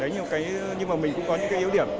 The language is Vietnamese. nhưng mà mình cũng có những yếu điểm